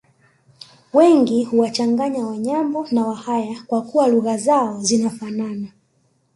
Wengi huwachanganya Wanyambo na wahaya kwa kuwa lugha zao zinafanana